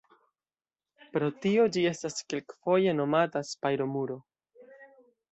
Pro tio, ĝi estas kelkfoje nomata spajro-muro.